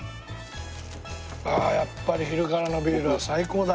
ああやっぱり昼からのビールは最高だ。